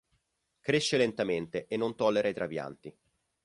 Cresce lentamente e non tollera i trapianti.